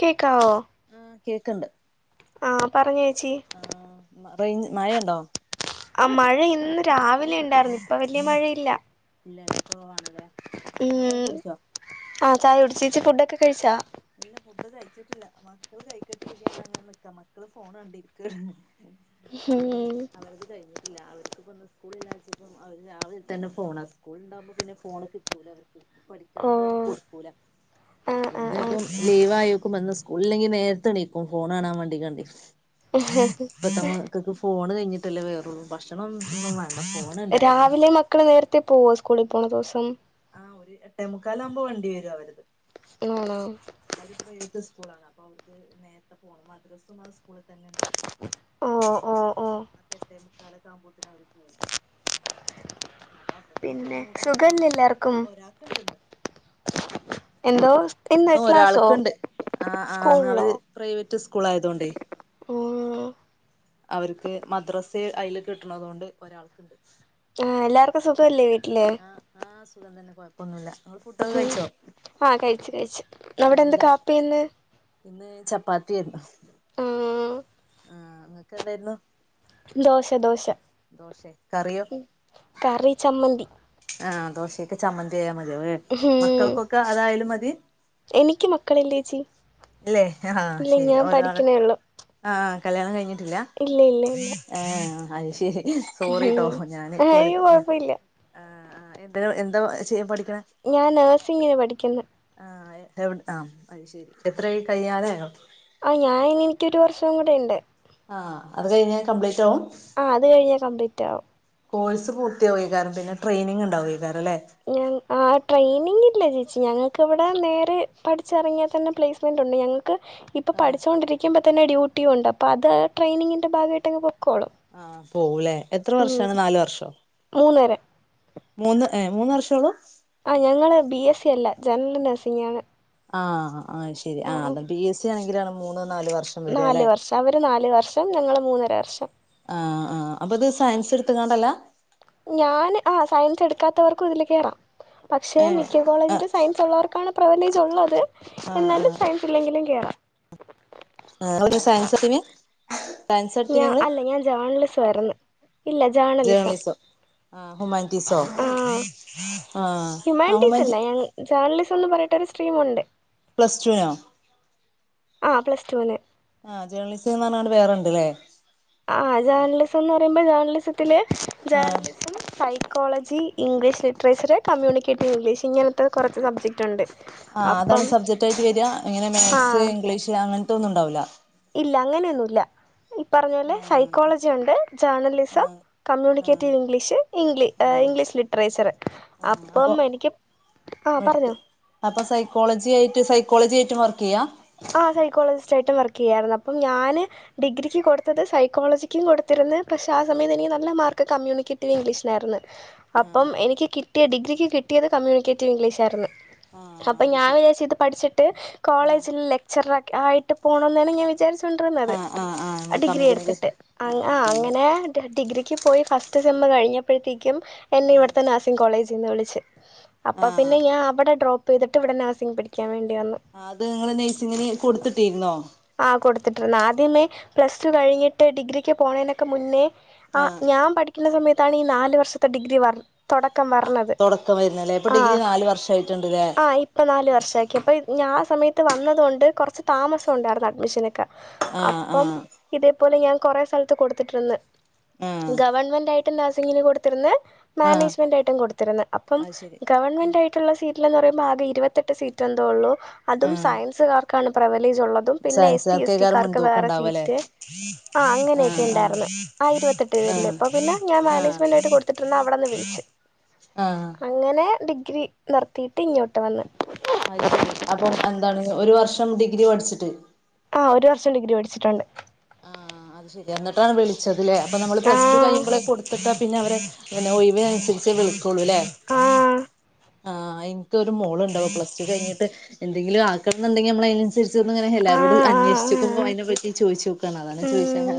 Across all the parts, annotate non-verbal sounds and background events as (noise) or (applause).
കേക്കാവോ? ആഹ്, കേക്ക്ണ്ട്. ആഹ്, പറഞ്ഞേച്ചീ. ആഹ് റെയ് മഴണ്ടോ ആഹ്, മഴയിന്ന് രാവിലെയി ഇല്ലലേ, കൊറവാണ് ലേ. ചായയൊക്കെ ഉം കുട്ച്ചോ? ആഹ് ചായ കുടിച്ചി, ചി ഫുഡൊക്കെ കഴിച്ചാ? ഇല്ല, ഫുഡ് കഴിച്ചിട്ടില്ല. മക്കള് കഴിക്കട്ടെ ര്തിയാണ്ട് അങ്ങനെ നിക്ക. മക്കള് ഫോണണ്ടിരിക്കാണ്. അവര് ഉം അവരത് കഴിഞ്ഞിട്ടില്ല. അവര്ക്ക്പ്പന്ന് സ്കൂളില്ലാച്ചപ്പ അവര് രാവിലെ തന്നെ ഫോണ സ്കൂള് ഉണ്ടകുമ്പോ പിന്നെ ഫോണ് കിട്ടൂല അവർക്ക് പഠിക്കാണ്ട് ന്ന് പറഞ്ഞ് ഓഹ് കൊടുക്കൂല ആഹ് ആഹ് ഇന്ന് ആഹ് ഇപ്പം ലീവ് ആയോക്കുമ്പോ ന്ന് സ്കൂളിലെങ്കി നേരത്തെ എണീക്കും ഫോൺ കാണാൻ വേണ്ടിക്കാണ്ടിയേ ഇപ്പത്തെ മക്കക്ക് ഫോൺ കഴിഞ്ഞിട്ടല്ലേ വേറള്ളൂ ഭക്ഷണം ഒന്നും വേണ് രാവിലെ മക്കള് നേരത്തെ പോവോ സ്കൂളിൽ പോണ ദിവസം ആ ഒരു എട്ടേമുക്കാലാവുമ്പോ വണ്ടി വരും അവരുത് ആണോ അവര് പ്രൈവറ്റ് സ്കൂളാണ് അപ്പൊ അവർക്ക് നേരത്തെ പോണം മദ്രസും ആ സ്കൂളിൽ തന്നെ ണ്ട് ഓഹ് ഓഹ് ഓഹ് അപ്പൊ എട്ടേ മുക്കാലാകുമ്പോത്തിന് അവര് പോവും അപ്പൊ അപ്പത്തിന് പിന്നെ ചോറും കൂട്ടാനൊക്കെ സുഖല്ലേ ആകും ഒര് എല്ലാർക്കും ഒരാക്ക് ഇണ്ട്ന്ന് എന്തോ ഇന്ന് ഇന്നും ക്ലാസ്സോ ഒരാൾക്കുണ്ട് ആ ആ അവര് പ്രൈവറ്റ് സ്കൂൾ ആയതോണ്ടേ ഒ അവര്ക്ക് മദ്രാസ അയില് കിട്ടണത് കൊണ്ട് ഒരാൾക്ക്ണ്ട് ആ എല്ലാർക്കും സുഖല്ലേ വീട്ടില് ആ ആ സുഖം തന്നെ കൊഴപ്പൊന്നുല്ല ഫുഡൊക്കെ കഴിച്ചോ ആ കഴിച്ചു കഴിച്ചു അവിടെ എന്താ എന്താണ് കാപ്പി ഇന്ന് ഇന്ന് ചപ്പാത്തിയേര്ന്നു ആഹ് ഉംനിങ്ങക്ക് എന്തായിരുന്നു ദോശ ദോശ ദോശെ കറിയോ ഉം കറി ചമ്മന്തി ആ ദോശേയ്ക്ക് ചമ്മന്തി ആയാ മതി ഉം മക്കൾക്കൊക്കെ അതായാലും മതി എനിക്ക് മക്കളില്ലേച്ചി ഇല്ലേ ആ ശരി ഒരാൾ ഉള്ളു ആ കല്യാണം കഴിഞ്ഞിട്ടില്ല ഇല്ല ഇല്ല ഇല്ല ഏഹ് അത് ശരി സോറിട്ടോ ഞാന് ഉം ഇപ്പ അയ്യോ കൊഴപ്പമില്ല ആആ എന്താ എന്താ ചെയ്യാൻ പഠിക്കണെ ഞാൻ നേഴ്സിങ്ങിന് പഠിക്ക്ന്ന് ആ എവ് ആ അത് ശരി എത്ര കഴിയാനായോ ആ ഞാൻ എനിക്കൊരു വർഷം കൂടെ ഇണ്ട് ആഹ്അത് കഴിഞ്ഞാൽ കംപ്ലീറ്റ് ആവും ആ അത് കഴിഞ്ഞൽ കംപ്ളീറ്റ് ആവും കോഴ്സ് പൂർത്തിയാവും ഏക്കാരം പിന്നെ ട്രെയിനിങ് ണ്ടുവുക്കേരം അല്ലെ ഞാ ആ ട്രെയിനിങ് ഇല്ല ചേച്ചി ഞങ്ങൾക്ക് ഇവിടെ നേരെ പഠിച്ചിറങ്ങിയാൽ തന്നെ പ്ലേസ് സ്മെന്റുണ്ട് ഞങ്ങൾക്ക് ഇപ്പ ആഹ് പഠിച്ചൊണ്ടിരിക്കുമ്പോൾ തന്നെ ഡ്യൂട്ടി ഉണ്ട് അപ്പോ അത് ട്രെയിനിങ്ങിൻ്റെ ഭാഗമായിട്ടങ് പൊക്കോളൂ ആ പോവൂം ലേ എത്ര വർഷാണ് നാലു വർഷോ മൂന്നര മൂന്ന് ഏ മൂന്ന് വർഷോളൂ ആ ഞങ്ങള് ബി എസ് സി അല്ല ജനറൽ നേഴ്സിംഗ് ആണ് ആ ആ ശരി ആ അത ബി എസ് സി ആണെങ്കിലാണ് മൂന്ന് നാല് വർഷം വരിക നാല് അല്ലെ വർഷം അവര് നാല് വർഷം ഞങ്ങൾ മൂന്നര വർഷം ആ ആ അപ്പം ഇത് സയൻസ് എടുത്ത്ക്കാണ്ടല്ല ഞാൻ ആ സയൻസ് എടുക്കാത്തവർക്കും ഇതില് കയറാം പക്ഷേ ഏഹ് മിക്ക കോളേജിൽ ആഹ് സയൻസുള്ളവർക്കാണ് പ്രിവലേജ് ഉള്ളത് ആഹ് എന്നാലും സയൻസ് ഇല്ലെങ്കിലും കേറാം ആ (inaudible) സയൻസ് എടുത്തേനി ഞാ അല്ല ഞാൻ ജേണലിസം ആയ്ര്ന്ന് ജേർണലിസം ആ ഹ്യുമാനിറ്റീസോ ആഹ് ആ ആ ആ ഹ്യൂമാനിറ്റീസ് ഹ്യുമാനിറ്റി അല്ല ഞാൻ ജേർണലിസം ന്ന് പറഞ്ഞിട്ട് ഒരു സ്ട്രീമുണ്ട് പ്ലസ്റ്റൂനോ ആ പ്ലസ് ടുന്ന് ആ ജേണലിസം എന്ന് പറഞ്ഞാണ്ട് വേറെണ്ട്ല്ലേ ആ ജേർണലിസം എന്ന് പറയുമ്പോ ജേർണലിസത്തിൽ ആഹ് journalism psychology English literature communicative English ഇങ്ങനത്തെ കുറച്ച്സബ്ജെക്റ്റ് ഉണ്ട് ആ് അതാണ് അപ്പം സബ്ജെക്ട് ആയിട്ട് വരുവാ ഇങ്ങനെ മാത്‍സ് ആഹ് ഇംഗ്ലീഷ് അങ്ങനത്തെ ഒന്നും ഉണ്ടാവില്ല ഇല്ല അങ്ങനെയൊന്നുമല്ല ഈ പറഞ്ഞ പോലെ ആഹ് സൈക്കോളജി ഉണ്ട് ജേർണലിസം ആഹ് ആഹ് കമ്മ്യൂണിക്കേറ്റീവ് ഇംഗ്ലീഷ് ഇംഗ്ല് ആഹ് ഇംഗ്ലീഷ് ലിറ്ററേച്ചറ് ആഹ് അപ്പം അപ്പൊ എനിക്ക് ആഹ പറഞ്ഞോ മെഡിക്കൽ അപ്പൊ സൈക്കോളജി ആയിട്ട് സൈക്കോളജി ആയിട്ടും വർക്ക് ചെയ്യാ ആ സൈക്കോളജിസ്റ്റ് ആയിട്ടും വർക്ക് ചെയ്യാായിരുന്നു അപ്പം ഞാന് ഡിഗ്രിക്ക് കൊടുത്തത് സൈക്കോളജിക്കും കൊടുത്തിരുന്ന് പക്ഷേ ആ ആഹ് സമയത്ത് എനിക്ക് നല്ല മാർക്ക് കമ്മ്യൂണിക്കേറ്റീവ് ഇംഗ്ലീഷിലാ യിരുന്ന് ആഹ് അപ്പം എനിക്ക് കി ക്ക് ഡിഗ്രിക്ക് കിട്ടിയത് കമ്മ്യൂണികേറ്റിവ് ഇംഗ്ലീഷായിരുന്നു ആഹ് അപ്പൊ അത് ഞാൻ ശരി വിചാരിച് ഇത് പഠിച്ചിട്ട് ആഹ് കോളേജിൽ ലേറ്റ് ലെച്ചേറർ ആയിട്ട് പോണം എന്നായിരുന്നു ഞാൻ വിചാരിച്ചൊണ്ടിരുന്നത് ആഹ് ആഹ് ആഹ് ആ നമ്മൾ ഡിഗ്രി കമ്മ്യൂണിക്കേഷൻ എടുത്തിട്ട് ആഹ് ആ ആഹ് അങ്ങനെ ഡിഗ്രിക്ക് പോയി ഫസ്റ്റ് സേം കഴിഞ്ഞപ്പോഴത്തേക്കും എന്നെ ആഹ് ഇവിടെത്തന്നെ ആക്കി കോളേജിന്ന് വിളച്ച് അപ്പൊ ആഹ് പിന്നെ ഞാൻഅവിടെ ഡ്രോപ്പ് ചെയ്തിട്ട് ഇവിടെ നഴ്സിംഗ് പഠിക്കാൻ വേണ്ടി വന്ന് ആ അത് നിങ്ങള് നേഴ്സിങ്ങിന് കൊടുത്തിട്ടിരുന്നോ ആഹ കൊടുത്തിട്ടുവന്ന് ആദ്യമേ പ്ലസ് ടു കഴിഞ്ഞിട്ട് ഡിഗ്രിക്ക് പോണേനൊക്കെ മുന്നേ ആ് ആഹ് ഞാൻ പഠിക്കുന്ന സമയത്താണ് ഈ നാല് വർഷത്തെ ഡിഗ്രി പറഞ്ഞത് ആ തുടക്കം വരുന്നല്ലേ അപ്പോ ഡിഗ്രി നാലുവർഷായിട്ട് ഇണ്ടല്ലേ ഇപ്പ നൽവർഷാക്കി അപ്പൊ ഞാൻ ആ സമയത്ത് വന്നതുകൊണ്ട് കുറച്ച് താമസ ഉണ്ടായിരുന്നു അഡ്മിഷനൊക്കെ ആഹ് അപ്പം ആഹ് ഇതേപോലെ ഞാൻ കൊറെ സ്ഥലത്ത് കൊടുതിട്ടുണ്ട് ആഹ് ഗവൺമെന്റ് ആയിട്ട് നഴ്സിങ്ങിന് കൊടുതിരുന്നേ ആഹ് മാനേജമെന്റ് ആയിട്ടും കൊടുത്തിരുന്ന് അപ്പം അത് ശരി ഗവൺമെന്റ് ആയിട്ട് സീറ്റന്ന് പറയുമ്പോ ആകെ ഇരുപത്തെട്ട് സീറ്റ് എന്തോ ഉള്ളൂ അതും ആഹ് സയൻസുകാർക്കാണ് പ്രവലേജ് ഉള്ളത് പിന്നെ എസ് സി എസ് ടി സയൻസുകാർക്കേക്കാരം കാർക്ക് മുൻതൂക്കം വേറെ ഉണ്ടാവല്ലേ സീറ്റ് ആ അങ്ങനെയൊക്കെ ആഹ് ആഹ് ഉണ്ടായിരുന്നു ആ ഇരുപത്തെട്ട് പേരിണ്ട് അപ്പ ആഹ് പിന്നെ ഞാ ആഹ് മാനേജ്മെന്റ് ആട്ട് കൊടുത്തിട്ടിരുന്ന അവിടെന്ന് വിളിച്ചു ആാാ അങ്ങനെ ഡിഗ്രി നിർത്തി ഇങ്ങോട്ട് വന്ന് ആയിശേരി അപ്പം എന്താണ് ഒരു വർഷം ഡിഗ്രി പഠിച്ചിട്ട് ആ ഒരു വർഷം ഡിഗ്രി പഠിച്ചിട്ടുണ്ട് ആഹ അത് ശരി എന്നിട്ടാണ് വിളിചതല്ലേ അപ്പൊ നമ്മള് ആ പ്ലസ് ടു കഴിയുമ്പോള കൊടുത്തിട്ട പിന്നെ അവരെ പിന്നെഒഴിവിനനുസരിചേ വിളിക്കോളൂ അല്ലേ ആ ആ എനിക്ക് ഒരു മോൾ ഇണ്ട് അപ്പോ പ്ലസ് റ്റു കഴിഞ്ഞിട്ട്ന്തെങ്കിലും ആക്കണുണ്ടെങ്കിൽ നമ്മളായിന് അനുസരിച്ചിട്ട് അനുസരിച് ഇങ്ങന ആ എല്ലാവരോടും അന്വേഷിച്ചിക്കുമ്പോൾ അതിനെ പറ്റി ചോദിച്ചു മ്മ്മ്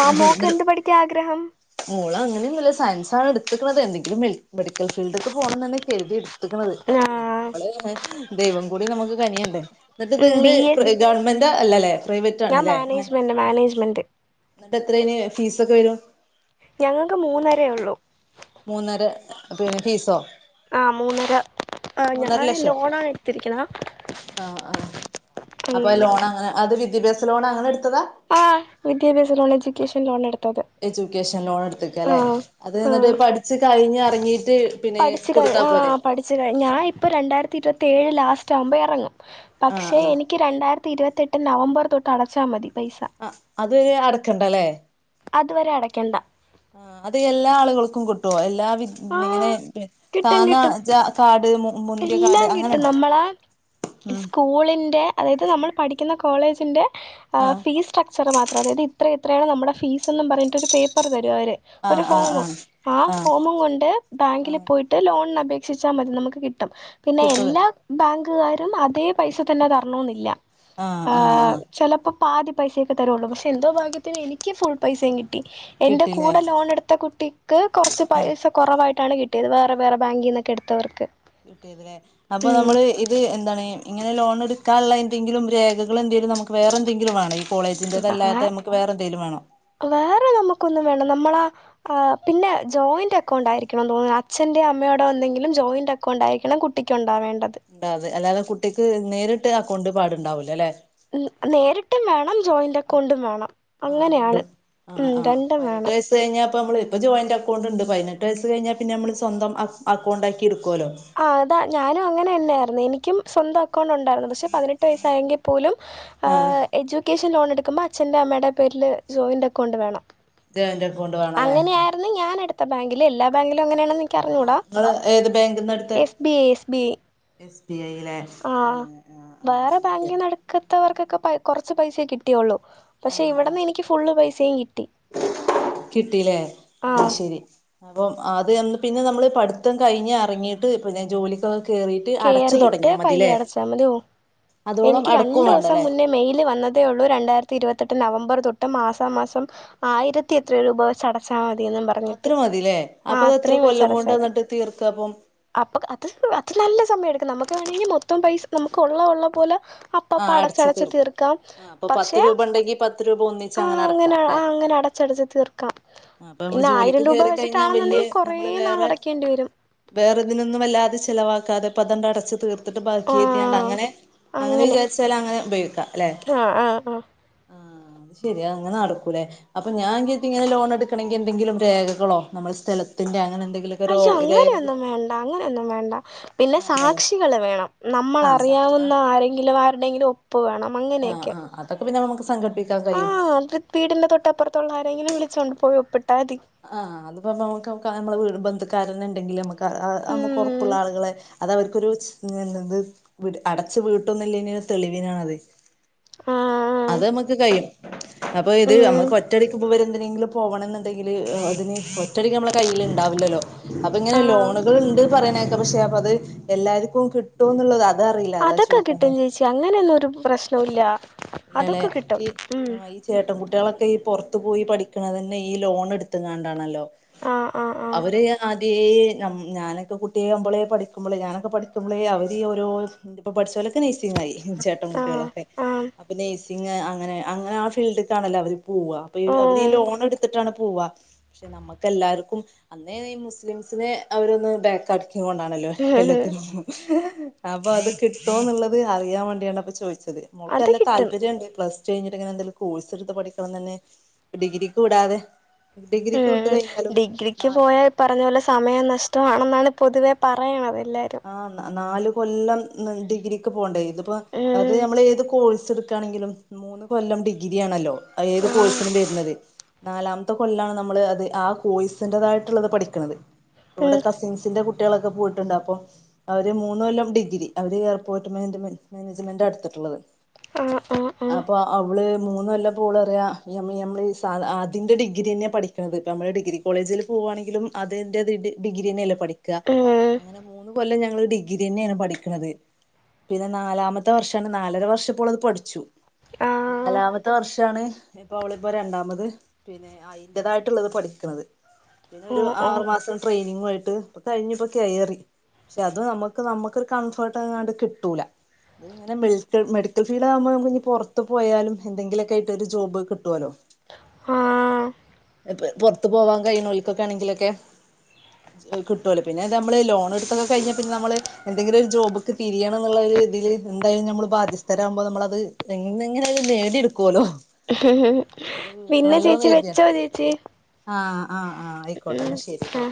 ആ മോക്ക് എന്ത് പഠിക്കാ ആഗ്രഹം മോൾ അങ്ങനെയൊന്നുല്ല സയൻസാണ് എടുത്കണത് എന്തെങ്കിലും മെഡിക്കൽ ഫീൽഡൊക്കെ പോണം തന്നെ കരുതിടു എടുത്തക്കണത് ആ പിന്നെ നമ്മള് ദൈവം കൂടി നമുക്ക് കനിയണ്ടേ എന്നിട്ട് ഉം ബി എ നി ഗവൺമെന്റ് അല്ലല്ലെ പ്രൈവേറ്റ് ഞാൻ ആണ്ല്ലേ മാനേജ്മെന്റ് മാനേജ്മെന്റ് എന്നിട്ട് എത്ര അയിന് ഫീസൊക്കെ വരും ഞങ്ങൾക്ക് മുന്നാരെ ഉള്ളൂ മൂന്നര പിന്നെ ഫീസോ ആ മൂന്നര ആ മൂന്നര ഞാന് ലക്ഷോ ലോണാണ് എടുത്തിരിക്കുന്നത് ആഹ് ആഹ് അപ്പൊ ലോൺ അങ്ങനെ അത് വിദ്യാഭ്യാസ ലോൺ അങ്ങനെ എടുത്തതാ ആ വിദ്യാഭ്യാസ ലോൺ എഡ്യൂക്കേഷൻ ലോൺ എടുത്തത് എഡ്യൂക്കേഷൻ ലോൺ എടുത്ക്ക ആ അല്ലെ അത് എന്നിട്ട് പഠിച് കഴിഞ്ഞ് ഇറങ്ങീട്ട് പഠിച്കഴി ആ പഠി പഠിച് കഴിഞ്ഞ് ഞാൻ ഇപ്പോൾ രണ്ടായിരത്തി ഇരുപത്തി ഏഴ് ലാസ്റ്റ് ആകുമ്പോൾ ഇറങ്ങും ആഹ് പക്ഷേ ആഹ് എനിക്ക് എനിക്ക് രണ്ടായിരത്തി ഇരുപത്തേട്ട് നവംബർ തൊട്ട് അടച്ചാൽ മതി പൈസ ആ അത് വരെ അടക്കണ്ടല്ലേ അതുവരെ അടയ്ക്കണ്ട ഉം അത് എല്ലാ ആളുകൾക്കും കിട്ടുവോ, എല്ലാ വി ആ ഇങ്ങനെ കിട്ടും താന്ന കിട്ടും ജാ കാട് മുന്തിയ കാട് അങ്ങനെണ്ടോ? ഉം സ്കൂളിന്റെ, അതായത് നമ്മൾ പഠിക്കുന്ന കോളേജിന്റെ ആ ഫീസ് സ്ട്രക്ചർ മാത്രം, അതായത് ഇത്ര ഇത്രയാണ് നമ്മുടെ ഫീസെന്നും പറഞ്ഞിട്ടൊരു പേപ്പറ് തരുവവര് ആ ഒരു ആ ആ ഫോമ് ആ ഫോമും കൊണ്ട് ആ ബാങ്കില് പോയിട്ട് ലോണിനപേക്ഷിച്ചാ മതി നമുക്ക് കിട്ടും പിന്നെ കിട്ടൂലേ എല്ലാ ബാങ്കുകാരും അതേ പൈസ തന്നെ തരണോന്നില്ല ആ ചെലപ്പ പാതി പൈസയൊക്കെ തരുവൊള്ളു പക്ഷെ എന്തോ ഭാഗ്യത്തിന് എനിക്ക് ഫുൾ പൈസേം കിട്ടി എന്റെ കിട്ടില്ലേ കൂടെ ലോണെടുത്ത കുട്ടിക്ക് കൊറച്ച് ആ പൈസ കൊറവായിട്ടാണ് കിട്ടിയത് വേറെ വേറെ ബാങ്കീന്നൊക്കെ എടുത്തവർക്ക് കിട്ടിയതല്ലേ അപ്പ ഉം നമ്മള് ഇ അത് എന്താണ്, ഇങ്ങനെ ലോണെടുക്കാനുള്ള എന്തെങ്കിലും രേഖകളെന്തെലും നമുക്ക് വേറെന്തെങ്കിലും വേണോ? വേ കോളേജിന്റെേതല്ലാത്ത നമക്ക് വേറെ എന്തേലും വേണോ? വേറെ നമുക്കൊന്നും വേണ്ട, നമ്മളാ ആ പിന്നെ ജോയിന്റക്കൗണ്ടായിരിക്കണന്ന് തോന്നുന്നു അച്ഛന്റെയോ അമ്മെടെയോ എന്തെങ്കിലും ജോയിന്റക്ക കൗണ്ടായിരിക്കണം കുട്ടിക്കൊണ്ടാവേണ്ടത്. ഉണ്ടാകാ, അല്ലാതെ കുട്ടിക്ക് നേരിട്ട് അക്കൗണ്ട് പാടുണ്ടാവൂലല്ലെ? നേരിട്ടും വേണം ജോയിന്റക്കൗണ്ടും വേണം, ആഹ് അങ്ങനെയാണ്, ഉം രണ്ടും വേണം. ത് കഴിഞ്ഞാപ്പമ്മള് ഇപ്പോ ജോയിന്റ് അക്കൗണ്ടൊണ്ട് പതിനെട്ടു വയസ്സ് കഴിഞ്ഞാ പിന്നെമ്മള് സ്വന്തം അക്കൗണ്ടാക്കിയെടുക്കുവല്ലോ. ആ അതാ ഞാനും അങ്ങനന്നെയാരുന്നു എനിക്കും സ്വന്തം അക്കൗണ്ട് ഉണ്ടായിരുന്നു പക്ഷെ പതിനെട്ട് വയസ്സായെങ്കിൽ പോലും ആഹ എജ്യുക്കേഷൻ ലോൺ എടുക്കുമ്പ അച്ഛൻ്റെയോ അമ്മെടെയോ പേരിൽ ജോയിൻറക്കൗണ്ട് വേണം. ജോയിന്റക്കൗണ്ട് വേണം അല്ലേ? ഇത് ഞാനെടുത്ത ബാങ്കില്, എല്ലാ ബാങ്കിലും അങ്ങനെയാണോന്നു ആഹ് എനിക്ക്കറിഞ്ഞൂടാ, നിങ്ങള് ഏത് ബാങ്കിൽന്ന് എടുത്തെ S B I, S B I S B I യില്ല ആഹ ആഹ ഓകെ ത്തവർക്കൊക്കെ കൊറച്ച് പൈസേ കിട്ടിയുള്ളൂ, പക്ഷെ ആഹ് ഇവിടന്ന് ആഹ് എനിക്ക് ഫുള്ള് പൈസേം കിട്ടി. കിട്ടീലെ ആ ആഹ് ശരി അപ്പം അത് നല്ല പിന്നെ നമ്മള് പഠിത്തം കഴിഞ്ഞ് എറങ്ങീട്ട് പിന്നെ ജോലിക്കൊക്കെ കേറി കേറിയിട്ട് പയ്യെ അടച്ചാ മതിയോ അതോളം എനിക്ക് അടക്കും രണ്ടുസം വേണ്ടല്ലേ മുന്നേ മെയില് വന്നത് തേ ഒള്ളൂ രണ്ടായിരത്തി ഇരുപത്തെട്ട് നവംബറ് തൊട്ട് മാസാ മാസം, ആയിരത്തി എത്രയോ രൂപ വച്ച് അടച്ചാ മതിയെന്നും പറ അത്ര മതില്ലേ അപ്പൊ അതെത്ര കൊല്ലം കൊണ്ട അടച്ചാൽ മതി ന്നിട്ട് തീർക്ക പ്പം? അപ്പൊ അത് അത് നല്ല സമയം എടുക്കും നമുക്ക് വേണെങ്കി മൊത്തം പൈസ, നമുക്ക് ഒള്ള ഒള്ള പോലെ അപ്പപ്പ ആഹ് അടച്ച് അടച്ചടച്ച് തീർക്കാം, ആഹ് അപ്പൊ പത്ത് പക്ഷെ രൂപ ഉണ്ടെങ്കി പത്ത് രൂപ ഒന്നിച്ച് ആ അങ്ങനെ അങ്ങന അടക്കാം അല്ലെ അങ്ങനെ അട ച്ചടച്ച് തീർക്കാം, ആഹ് അപ്പൊ നമ്മള് പിന്നെ ജോലിക്ക് ആയിരം രൂപ കേറി കഴിഞ്ഞാൽ വെച്ചിട്ടാണെന്നൊണ്ടെങ്കി കൊറേ നാളടക്കേണ്ടി വരും. വേറെതിനൊന്നും അല്ലാതെ ചിലവാക്കാതെ പ്പത ങ്ങട് അടച്ച് തീർ ത്തിട്ട് ആ ബാക്കിർത്തിയോണ്ടങ്ങനെ അങ്ങനെ വിചാരിച്ചാലും അങ്ങനെ ഉപയോഗിക്കാല്ലെ? ആ ആ ആ അത് ശരിയാ, അങ്ങനെ നടക്കൂലേ. അപ്പ ഞാൻവിചാരിച്ചിങ്ങനെ, ലോൺ എടുക്കണെങ്കി എന്തെങ്കിലും രേഖകളോ, നമ്മളെ സ്ഥലത്തിന്റെ അങ്ങനെ എന്തെങ്കിലും. അശ്യോ അങ്ങനെയൊന്നും വേണ്ട അങ്ങനോന്നും വേണ്ട. പിന്നെ വേണ്ടല്ലേ സാക്ഷികള് വേണം. ആഹ് നമ്മളറിയാവുന്ന ആരെങ്കിലും ആരുടെങ്കിലും ഒ പ്പു വേണം അങ്ങ ആ ആ അതൊക്കെ പിന്നെ നമുക്ക് സംഘടിപ്പിക്കാൻ ആ കയ്യും. അത് വീടിന്റെ തൊട്ടപ്പുറത്തുള്ള ആരെങ്കിലും വിളിച്ചോണ്ട് പോയി ഒപ്പിട്ടാതി. ആ അത്പ്പോ നമുക്കിപ്പ നമ്മെ വീട് ബന്ധുക്കാരൻ ഉണ്ടെങ്കിൽ നമുക്ക് ആ അ ഉം നമ്മുക്കൊറപ്പുള്ള ആളുകളെ അതവർക്കൊരു (unintelligible) ത് അടച്ചു വീട്ടുന്നില്ലെനി ഒരു തെളിവിനാണത്. ആ അതമ്മക്ക് കയിയും. അപ്പൊ ഇത് ഉം അമ്മക്ക് ഒറ്റടിക്ക് പോവര് എന്തിനെങ്കിലും പോകണം ന്നണ്ടെങ്കില് അതിന് പൊ ഇത്രി ഞമ്മളെ കയ്യില് ഇ ണ്ടാവൂല്ലല്ലോ അപ്പൊ ഇങ്ങനെ ആ ലോണുകൾ ഉണ്ട് പറയാന പക്ഷെ അപ്പൊ അത് എല്ലാർക്കും കിട്ടോന്നുള്ളത് അ അതൊക്കെ കിട്ടും ചേച്ചി അങ്ങനെന്നൊരു പ്രശ്നോല്യ ഇല്ലല്ലേ അതൊക്കെ കിട്ടും ഈ ഉം. ആഹ് ഈ ചേട്ടൻ കുട്ടിയോളൊക്കെ ഈ പൊ റത്തു പോയി പഠിക്കണതന്നെ ഈ ലോണടുത്തങ്ങാണ്ടാണല്ലോ. ആഹ് ആഹ് അവര് യാ. ആദ്യേ ഞാനൊക്കെ കുട്ടിയാമ്പളേ പഠിക്കുമ്പളേ ഞാനൊക്കെ പഠിക്കുമ്പളേ അവര് ഓരോ. ഇപ്പൊ പഠിച്ചോലൊക്കെ നേഴ്സിങ്ങായി ചേട്ടൻ ആഹ് കുട്ട്യോളൊക്കെ. ആഹ് ആഹ് സിംഗ് അങ്ങനെ അങ്ങനെ ആ ഫീൽഡ്ക്കാണല്ലോ അവര് പോവ്വ പിയ് അവര് ഓഹ് ലോണ് ട് തിട്ടാണ് പോവാ ക്ഷെ നമ്മക്കെല്ലാർക്കും അന്നേ ഈ മുസ്ലിംസിന് അവരൊന്ന് ബാക്ക് തുകൊണ്ടാണല്ലോ എല്ലാത്തിനും ഉം. അപ്പൊ അത് കിട്ടോന്നുള്ളത് അറിയാൻ വേണ്ടിയാണ് അത് ചോയിച്ചത്. അത് തല്ല കിട്ടും താല്പര്യണ്ട് പ്ലസ് ടു കഴിഞ്ഞിട്ടങ്ങനെന്തെലും കോഴ്സ്ട്ത്ത് പഠിക്കണം ന്നന്നെ ഡിഗ്രിക്ക് വിടാതെ. ഏ ഡിഗ്രിക്ക് വിട്ട് കഴിഞ്ഞാലും ഡിഗ്രിക്ക് നാല് പോയാ. പറഞ്ഞപോലെ സമയം നഷ്ടമാണെന്നാണ് പൊതുവേ പറയണത് എല്ലാരും. ആ നാ നാല് കൊല്ലം ഡിഗ്രിക്ക് പോണ്ടേ ഇതിപ്പോ അത് ഉം നമ്മൾ ഏത് കോഴ്സ് എടു ക്കാണെങ്കിലും മൂന്ന് കൊല്ലം ഡിഗ്രിയാണല്ലോ അഹ് ഏത് ആഹ് കോഴ്സിനും വര്ണത്. നാലാമത്തെ കൊല്ലാണ് നമ്മള് അത് ആ കോയിസിന്റതായിട്ടുള്ളത് പഠിക്കണത്. ഇവടെ ഉം കസിൻസിന്റെ കുട്ടിളൊക്കെ പോയിട്ടുണ്ട് അപ്പൊ. അവര് മൂന്നൊല്ലം ഡിഗ്രി അവര് ഏർപോട്ട് മേ മാനേജ്മെന്റാ ഇ ട് ത്തിട്ട്ള്ളത്. ആഹ് ആഹ് ആഹ്. അപ്പോ അവൾ മൂന്നല്ലപ്പൊ ഓളറിയ മ്മ മ്മള് ആ അതിൻ്റെ ഡിഗ്രിന്നെ പഠിക്ക. അമ്മള് ഡിഗ്രി കോളേജില് പോവാണെങ്കിലും അതിന്റെ ഡിഗ്രി ന്നെല്ലേ പഠിക്ക ആഹ് ആഹ് ഉം അങ്ങനെ. ഇക്കൊല്ലം ഞങ്ങള് ഡിഗ്രിന്നെണ് പഠിക്ക് ണത്. പിന്നെ നാലാമത്തെ വർഷാണ് നാലര വർഷപ്പോളത് പഠിച്ചു. ആഹ് നാലാമത്തെ വർഷാണ്. ഇപ്പൊ അവളപ്പോ രണ്ടാമത് പിന്നെ അയിന്റേതായിട്ട്ള്ളത് പഠിക്കണത്. പിന്നെരു ഓഹ് ആറു ഓഹ് മാസം ട്രെയിനിങ്വായിട്ട് ഇപ്പ കഴിഞ്ഞപ്പോ കയറി. ഷേ അത് നമ്മക്ക് നമ്മക്കൊരു കംഫർട്ടായിങ്ങാണ്ട് കിട്ടൂല. ഇത് ങ്ങനെ മെഡിക്കൽ ഫീഡ് ആവുമ്പോ നമുക്കിനി പൊറത്ത് പോയാലും എന്തെങ്കിലൊക്കെയിട്ട് ഒര് ജോബ് കിട്ടോല്ലോ. ആഹ പ് പൊറത്തു പോവാൻ കഴയിനോൾക്കൊക്കെ ണെങ്കിലൊക്കെ കിട്ടോലോ പിന്നെ ത് നമ്മള് ലോൺ എടു തൊ ക്കെഴിഞ്ഞ പിന്നമ്മള്. എന്തെങ്കിലും ഒരു ജോബ്ക് തി രിയണം ന്നുള്ളരു തില് ന്തായാലും നമ്മള് ബാധ്യസ്ഥരാവുമ്പോ അത് നമ്മളത്. എങ്ങങ്ങനെലും അത് നേടിയെടുക്കുല്ലോ. പിന്നെ ചേച്ചി കരുതിയ വെച്ചോ ചേച്ചി. ആഹ് ആഹ് ആഹ് ആയിക്കോട്ടെ ഉം ന്നാ ശരിട്ടോ. ആഹ്